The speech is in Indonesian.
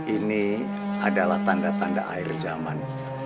ini adalah tanda tanda air zaman